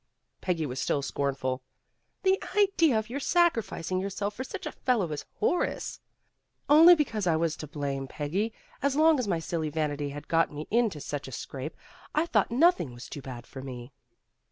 Peggy was still scornful. "The idea of your sacrificing yourself for such a fellow as Horace." "Only because I was to blame, Peggy. As long as my silly vanity had got me into such a scrape, I thought nothing was too bad for me."